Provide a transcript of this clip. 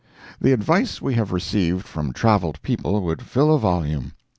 The advice we have received from travelled people would fill a volume.